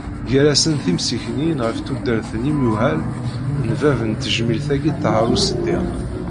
Gar-asen timsikniyin ɣef tudert d yimuhal n bab n tejmilt-agi Ṭaher Useddiq.